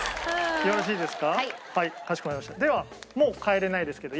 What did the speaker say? よろしいですか？